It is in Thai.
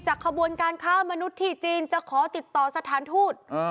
ขบวนการค้ามนุษย์ที่จีนจะขอติดต่อสถานทูต